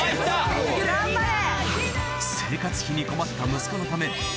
・頑張れ！